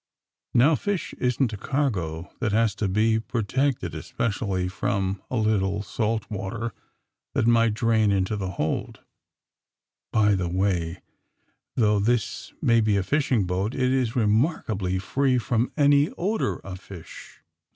Now, fish isn't a cargo that has to be protected especially from a lit tle salt water that might drain into a hold. By the way, though this may be a fishing boat, it is remarkably free from any odor of fish.